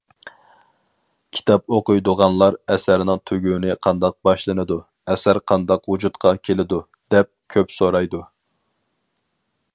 كىتاب ئوقۇيدىغانلار ئەسەرنىڭ تۈگۈنى قانداق باشلىنىدۇ، ئەسەر قانداق ۋۇجۇدقا كېلىدۇ، دەپ كۆپ سورايدۇ.